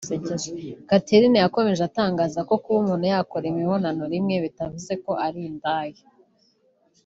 Catarina yarakomeje atangaza ko kuba umuntu yakora imibonano rimwe bitavuze ko ari indaya